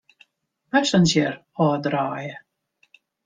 Passenger ôfdraaie.